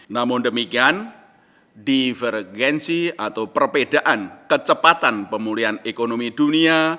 namun demikian divergensi atau perbedaan kecepatan pemulihan ekonomi dunia